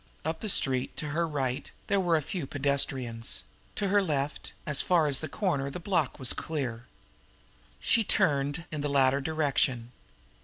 Up the street, to her right, there were a few pedestrians; to her left, as far as the corner, the block was clear. She turned in the latter direction.